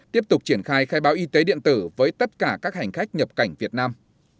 tiếp tục triển khai khai báo y tế điện tử với tất cả các hành khách nhập cảnh việt nam